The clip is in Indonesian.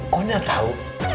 kau gak tau